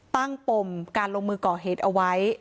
ปมการลงมือก่อเหตุเอาไว้